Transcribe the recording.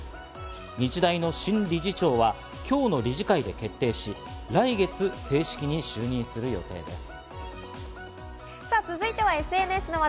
日大の新理事長は今日の理事会で決定し、来月正式に就任する予定です。